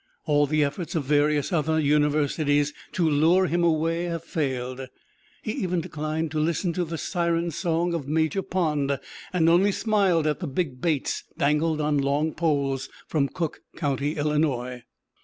All the efforts of various other Universities to lure him away have failed. He even declined to listen to the siren song of Major Pond, and only smiled at the big baits dangled on long poles from Cook County, Illinois.